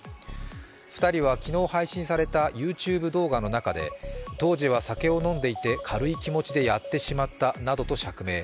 ２人は昨日配信されたＹｏｕＴｕｂｅ動画の中で当時は酒を飲んでいて軽い気持ちでやってしまったなどと釈明。